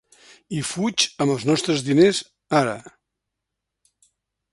I fuig amb els nostres diners, ara.